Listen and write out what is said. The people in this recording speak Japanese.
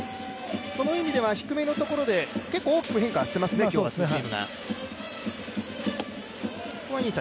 その意味では、低めのところで結構大きく変化はしてますね、今日はツーシームが。